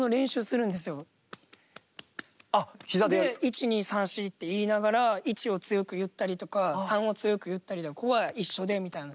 １２３４って言いながら１を強く言ったりとか３を強く言ったりここは一緒でみたいな。